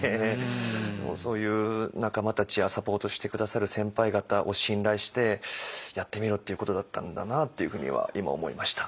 そういう仲間たちやサポートして下さる先輩方を信頼してやってみろっていうことだったんだなっていうふうには今思いました。